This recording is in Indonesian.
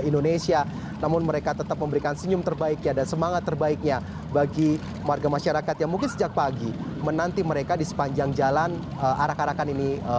dulu pernah mengalami arah arahkan semacam ini